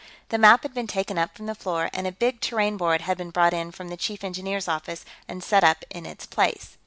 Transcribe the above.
The map had been taken up from the floor, and a big terrain board had been brought in from the Chief Engineer's office and set up in its place.